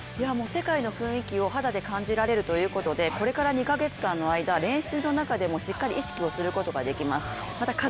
世界の雰囲気を肌で感じられるということで、これから２カ月間の間練習の中でもしっかり意識することができます。